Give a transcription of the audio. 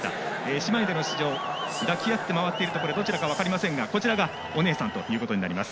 姉妹での出場抱き合って回っているところでどちらか分かりませんがこちらがお姉さんです。